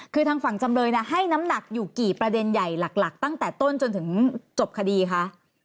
คือทางฝั่งจำเลยให้น้ำหนักอยู่กี่ประเด็นใหญ่หลักตั้งแต่ต้นจนถึงจบคดีคะ